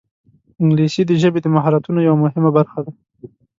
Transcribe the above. انګلیسي د ژبې د مهارتونو یوه مهمه برخه ده